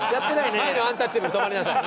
前のアンタッチャブル止まりなさい。